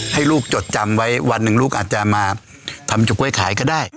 ให้ลูกจดจำไว้วันหนึ่งลูกอาจจะมาทำเฉาก๊วยขายก็ได้